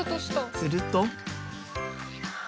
すると。